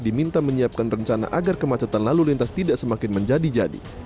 diminta menyiapkan rencana agar kemacetan lalu lintas tidak semakin menjadi jadi